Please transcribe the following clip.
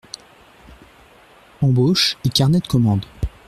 Embauches et carnets de commandes.